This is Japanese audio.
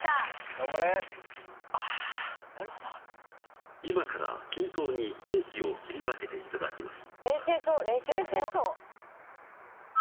頑張れああーなるほど今から均等にケーキを切り分けていただきます